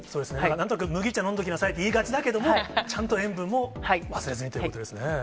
なんとなく麦茶飲んでおきなさいって言いがちだけども、ちゃんと塩分も忘れずにということですね。